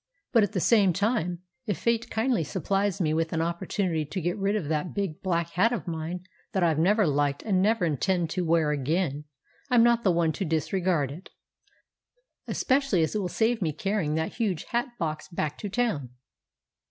"But at the same time, if Fate kindly supplies me with an opportunity to get rid of that big black hat of mine that I've never liked and never intend to wear again, I'm not the one to disregard it, especially as it will save my carrying that huge hat box back to town.